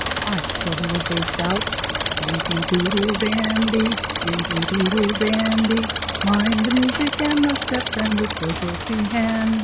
I suddenly burst out: Yankee doodle dandy! Yankee doodle dandy! Mind the music and the step, And with the girls be handy.